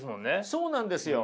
そうなんですよ。